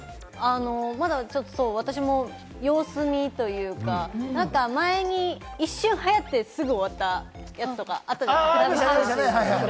私も様子見というか、前に一瞬流行ってすぐ終わったやつとかあったじゃないですか。